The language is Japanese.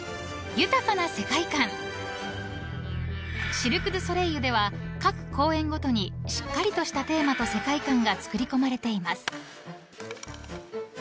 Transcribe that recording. ［シルク・ドゥ・ソレイユでは各公演ごとにしっかりとしたテーマと世界観が作りこまれています］